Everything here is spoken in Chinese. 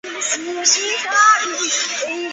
王元超毕业于日本东京法政大学法律专门部。